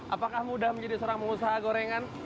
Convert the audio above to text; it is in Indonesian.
apakah mudah menjadi seorang pengusaha gorengan